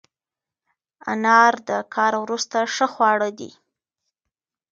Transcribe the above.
انار د کار وروسته ښه خواړه دي.